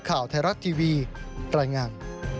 ข่าวไทยรัฐทีวีรายงาน